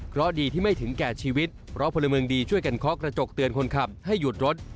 เพราะดีที่ไม่ถึงแก่ชีวิตเพราะพลเมืองดีช่วยกันเคาะกระจกเตือนคนขับให้หยุดรถ